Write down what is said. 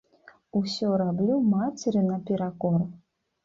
Усё раблю мацеры наперакор.